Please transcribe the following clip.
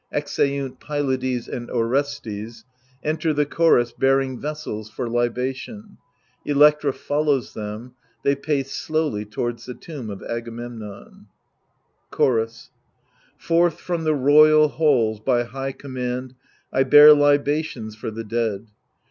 [Exeunt Pyiades and Orestes; enter the Chorus bearing vessels for libation; Electra follows them; they pace slowly towards the tomb of Agamemnon, Chorus Forth from the royal halls by high command I bear libations for the dead.